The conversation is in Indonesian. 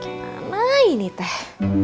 mana ini teh